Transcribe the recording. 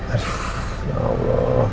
aduh ya allah